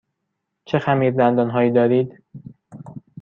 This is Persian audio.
چه خمیردندان هایی دارید؟